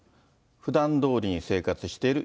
ふだんどおりに生活してる。